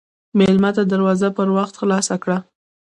مېلمه ته دروازه پر وخت خلاصه کړه.